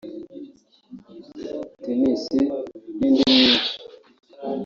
Tennis n'indi myinshi